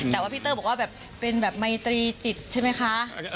แต่ว่าพี่เตอร์บอกว่าแบบเป็นแบบไมตรีจิตใช่ไหมคะ